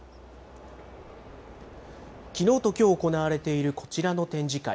きのうときょう行われているこちらの展示会。